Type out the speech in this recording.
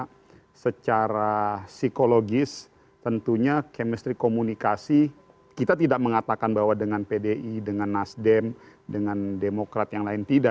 karena secara psikologis tentunya chemistry komunikasi kita tidak mengatakan bahwa dengan pdi dengan nasdem dengan demokrat yang lain tidak